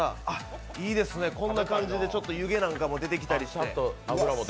こんな感じで湯気なんかも出てきたりして。